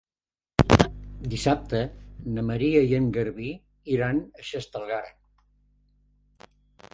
Dissabte na Maria i en Garbí iran a Xestalgar.